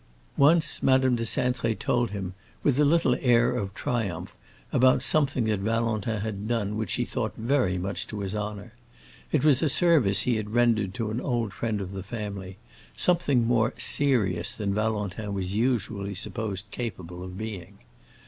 Once Madame de Cintré told him with a little air of triumph about something that Valentin had done which she thought very much to his honor. It was a service he had rendered to an old friend of the family; something more "serious" than Valentin was usually supposed capable of being.